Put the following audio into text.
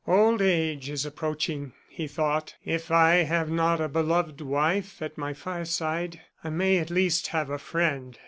"Old age is approaching," he thought. "If I have not a beloved wife at my fireside, I may at least have a friend."